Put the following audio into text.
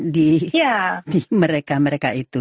di mereka mereka itu